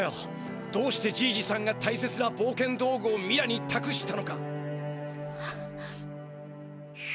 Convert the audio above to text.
どうしてじいじさんが大切なぼうけん道具をミラにたくしたのか。